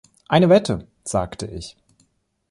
„Eine Wette“, sagte ich.